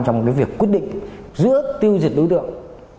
trong việc quyết định giữa tiêu diệt đối tượng